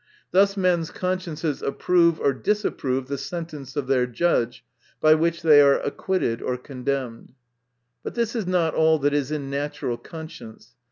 Thus men's consciences approve or disapprove the sentence of their judge, by which they are acquitted or condemned. — But this is not all that is in natural conscience.